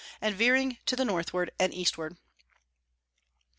and veering to the Northward and Eastward.